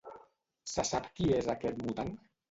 Se sap qui és aquest mutant?